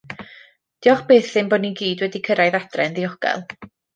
Diolch byth ein bod ni i gyd wedi cyrraedd adre'n ddiogel.